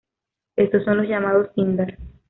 Estos son los llamados Sindar.